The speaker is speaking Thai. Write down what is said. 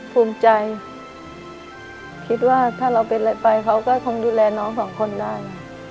ภูมิใจคิดว่าถ้าเราเป็นอะไรไปเขาก็คงดูแลน้องสองคนได้